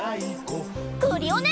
クリオネ！